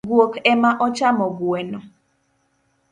Guok emaochamo gweno.